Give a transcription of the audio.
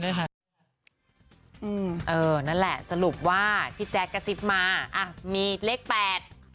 หนึ่งด้วยค่ะเออนั่นแหละสรุปว่าพี่แจ๊กกระซิบมาอ่ะมีเลขแปด